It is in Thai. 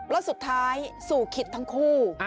แล้วสุดท้ายสู่คิดทั้งคู่